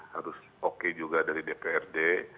harus oke juga dari dprd